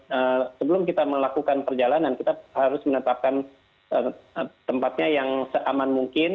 nah sebelum kita melakukan perjalanan kita harus menetapkan tempatnya yang seaman mungkin